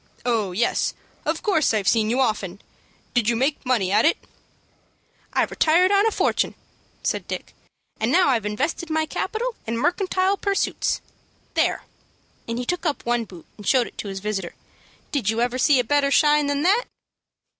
"Oh, yes, of course I've seen you often! Did you make money at it?" "I retired on a fortun'," said Dick, "and now I've invested my capital in mercantile pursuits. There," and he took up one boot, and showed it to his visitor, "did you ever see a better shine than that?"